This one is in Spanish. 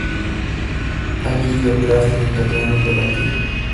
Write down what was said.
Allí dio clases de italiano y de latín.